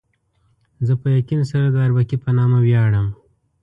زه په یقین سره د اربکي په نامه ویاړم.